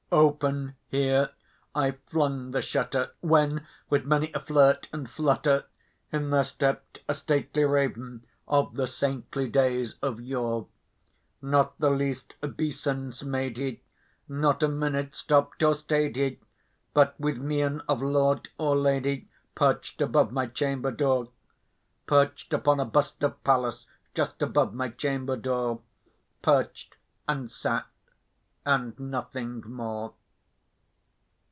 Open here I flung the shutter, when, with many a flirt and flutter, In there stepped a stately raven of the saintly days of yore; Not the least obeisance made he; not a minute stopped or stayed he; But, with mien of lord or lady, perched above my chamber door Perched upon a bust of Pallas just above my chamber door Perched, and sat, and nothing more.